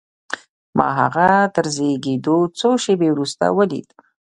ما هغه تر زېږېدو څو شېبې وروسته وليد.